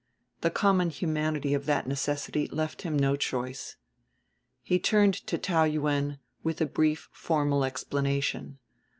The common humanity of that necessity left him no choice. He turned to Taou Yuen with a brief formal explanation.